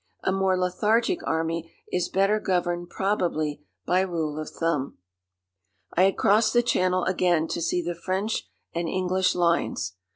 A more lethargic army is better governed probably by rule of thumb. I had crossed the Channel again to see the French and English lines.